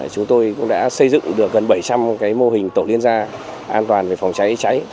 chúng tôi cũng đã xây dựng được gần bảy trăm linh mô hình tổ liên gia an toàn về phòng cháy cháy